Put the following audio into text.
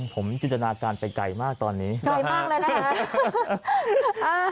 ผมจินตนาการไปไกลมากตอนนี้ไกลมากเลยนะฮะ